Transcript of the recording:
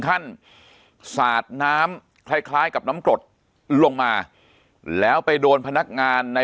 สาดน้ำคล้ายคล้ายกับน้ำกรดลงมาแล้วไปโดนพนักงานใน